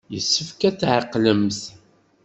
Yessefk ad teqqlemt.